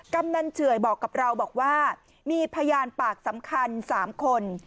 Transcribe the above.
กำนันเฉื่อยบอกกับเราบอกว่ามีพยานปากสำคัญ๓คน